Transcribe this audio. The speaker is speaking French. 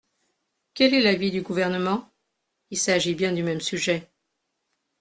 Quel est l’avis du Gouvernement ? Il s’agit bien du même sujet.